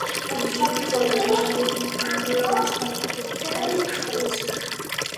আসমা বেগম দাবি করেন, কমলাপুরে বক্স কালভার্ট এলাকায় তাঁর ওয়ার্কশপ রয়েছে।